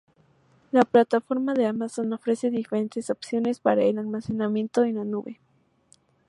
La plataforma de Amazon ofrece diferentes opciones para el almacenamiento en la nube.